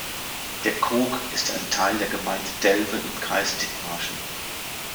Der Koog ist ein Teil der Gemeinde Delve im Kreis Dithmarschen.